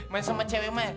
main sama cewek main